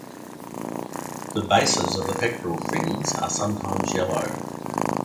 The bases of the pectoral fins are sometimes yellow.